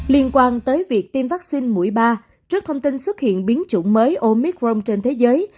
liên quan tới việc tiêm vaccine mũi ba trước thông tin xuất hiện biến chủng mới omicron trên thế giới